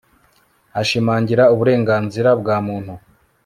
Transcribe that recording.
ashimangira uburenganzira bwa muntu